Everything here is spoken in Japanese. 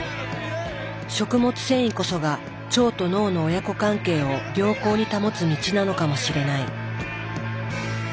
食物繊維こそが腸と脳の親子関係を良好に保つ道なのかもしれない。